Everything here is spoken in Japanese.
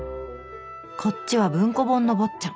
こっちは文庫本の「坊っちゃん」。